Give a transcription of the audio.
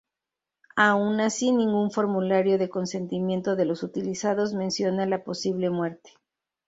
Aun así, ningún formulario de consentimiento de los utilizados menciona la posible muerte.